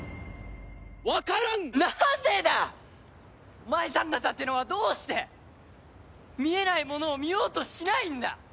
お前さん方ってのはどうして見えないものを見ようとしないんだ！